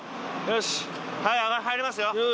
はい入りますよ。